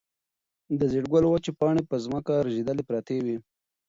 د زېړ ګل وچې پاڼې په ځمکه رژېدلې پرتې وې.